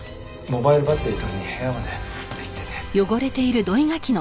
モバイルバッテリー取りに部屋まで行ってて。